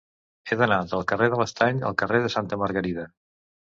He d'anar del carrer de l'Estany al carrer de Santa Margarida.